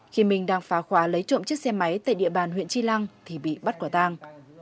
khi minh đang phá khóa lấy trộm chiếc xe máy tại địa bàn huyện tri lăng thì bị bắt quả tang